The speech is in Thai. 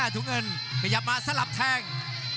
ถุงเงินขยับมาสลับแทง